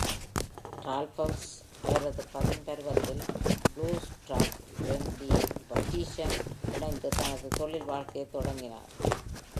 Ralphs அவரது பதின்பருவத்தில் blues-rock band தி பட்டீஸுடன் இணைந்து தனது தொழில் வாழ்க்கையைத் தொடங்கினார்.